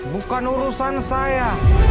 bukan urusan saya